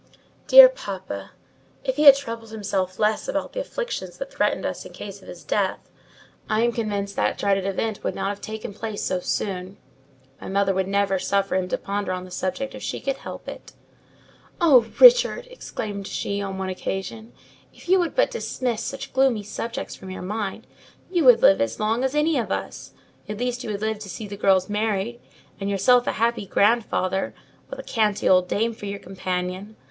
Dear papa! if he had troubled himself less about the afflictions that threatened us in case of his death, I am convinced that dreaded event would not have taken place so soon. My mother would never suffer him to ponder on the subject if she could help it. "Oh, Richard!" exclaimed she, on one occasion, "if you would but dismiss such gloomy subjects from your mind, you would live as long as any of us; at least you would live to see the girls married, and yourself a happy grandfather, with a canty old dame for your companion."